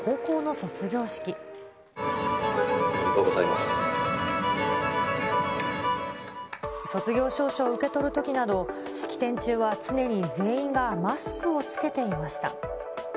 卒業証書を受け取るときなど、式典中は常に全員がマスクを着けていました。